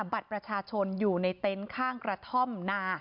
บัตรประชาชนอยู่ในเต็นต์ข้างกระท่อมนา